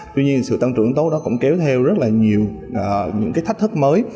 tuy nhiên sự tăng trưởng tốt đó cũng kéo theo rất nhiều thách thức mới